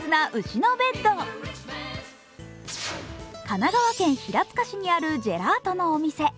神奈川県平塚市にあるジェラートのお店。